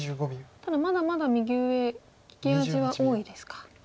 ただまだまだ右上利き味は多いですか。